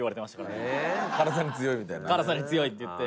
宮田：辛さに強いっていって。